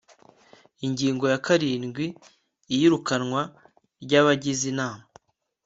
Ingingo ya karindwi Iyirukanwa ry abagize Inama